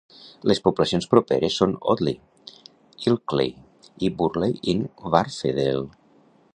Les poblacions properes són Otley, Ilkley i Burley-in-Wharfedale.